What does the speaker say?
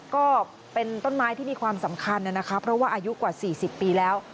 ก็เป็นต้นไม้ที่มีความสำคัญนะคะเพราะว่าอายุกว่า๔๐ปีแล้ว